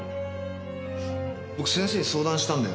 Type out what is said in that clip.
僕先生に相談したんだよね？